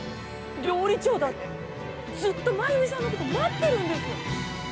料理長だってずっとまゆみさんのこと待ってるんですよ！